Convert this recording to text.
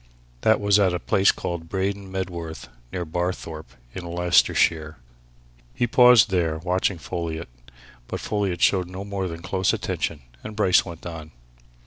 That was at a place called Braden Medworth, near Barthorpe, in Leicestershire." He paused there, watching Folliot. But Folliot showed no more than close attention, and Bryce went on.